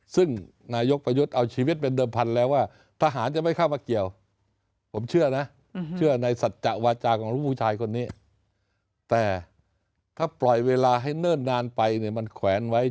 ซึ่งนายกประยุทธ์เอาชีวิตเป็นเดิมพันธุ์แล้วว่าทหารจะไม่เข้ามาเกี่ยว